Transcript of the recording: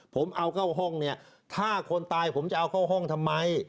ผมเอาเข้าห้องเนี่ยถ้าคนตายผมจะเอาเข้าห้องทำไม